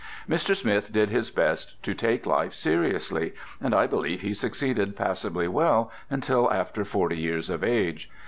Mr. Smith did his best to take life seriously, and I believe he succeeded passably well until after forty years of age.